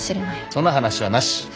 その話はなし！